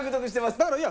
だからいいや。